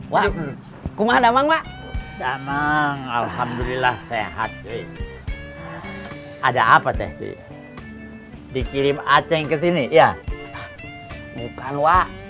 wa kumah damang wa damang alhamdulillah sehat ada apa teh dikirim aceng kesini ya bukan wa